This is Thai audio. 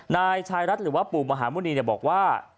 นายชายรัฐหรือว่าปู่มหาหมุณีบอกว่า